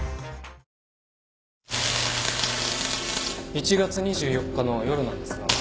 １月２４日の夜なんですが。